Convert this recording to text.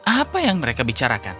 apa yang mereka bicarakan